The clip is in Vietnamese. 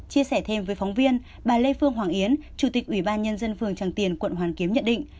chia sẻ thêm với phóng viên bà lê phương hoàng yến chủ tịch ủy ban nhân dân phường tràng tiền quận hoàn kiếm nhận định